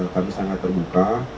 kami sangat terbuka